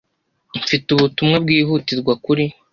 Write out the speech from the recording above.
Mfite ubutumwa bwihutirwa kuri .